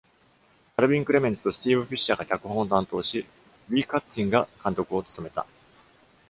カルヴィン・クレメンツとスティーブ・フィッシャーが脚本を担当し、リー・カッツィンが監督を務めた。